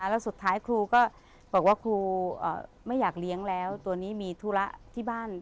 แล้วสุดท้ายครูก็บอกว่าครูไม่อยากเลี้ยงแล้วตัวนี้มีธุระที่บ้าน